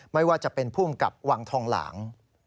ไม่ว่าจะเป็นผู้อำกับวังทองหลาง